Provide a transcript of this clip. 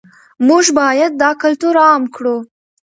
موږ باید دا کلتور عام کړو.